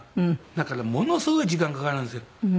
だからものすごい時間かかるんですよ。